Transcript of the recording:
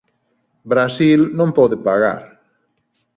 Brasil non pode pagar